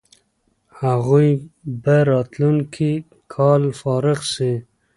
هغوی به راتلونکی کال فارغ سي.